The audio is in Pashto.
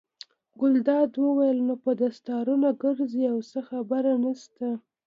ګلداد وویل: نو په دستارونو ګرځئ او څه خبره نشته.